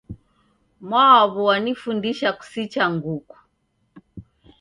Mwaw'u wanifundisha kusicha nguku.